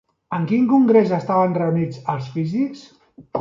En quin congrés estaven reunits els físics?